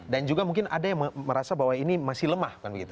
dan juga mungkin ada yang merasa bahwa ini masih lemah